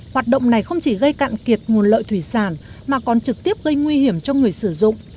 hoạt động này không chỉ gây cạn kiệt nguồn lợi thủy sản mà còn trực tiếp gây nguy hiểm cho người sử dụng